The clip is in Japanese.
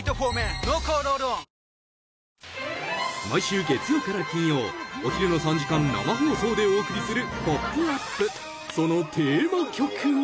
［毎週月曜から金曜お昼の３時間生放送でお送りする］